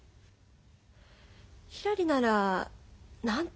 ひらりなら何て言う？